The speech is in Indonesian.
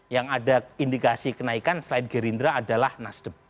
yang ada indikasi kenaikan selain gerindra adalah nasdem